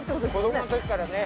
子供の時からね。